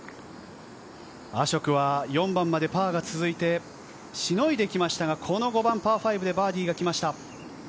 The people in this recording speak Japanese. アショクは４番までパーが続いてしのいできましたが、この５番、パー５でバーディーがきました。